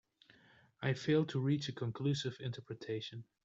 I failed to reach a conclusive interpretation.